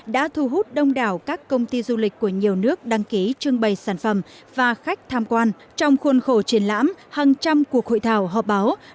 đã thu hút đông đảo các công ty du lịch của nhiều nước đăng ký trưng bày sản phẩm và khách tham quan trong khuôn khổ triển lãm hàng trăm cuộc hội thảo họp báo